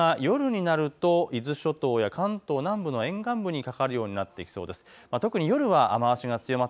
夜になると伊豆諸島や関東南部の沿岸部にかかるようになってきそうです。